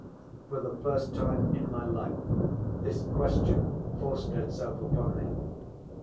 For the first time in my life this question forced itself upon me.